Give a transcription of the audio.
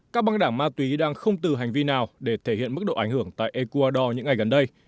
các băng đảng ma túy đang không từ hành vi nào để thể hiện mức độ ảnh hưởng tại ecuador những ngày gần đây